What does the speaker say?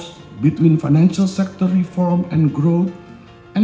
perbedaan antara reformasi sektor kebijakan ekonomi dan perkembangan